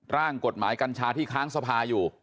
ร่างกฎหมายกัญชาที่ค้างสภาอยู่